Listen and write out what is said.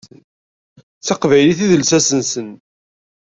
D taqbaylit i d lsas-nsen.